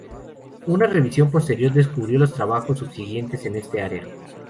Una revisión posterior describió los trabajos subsiguientes en este área.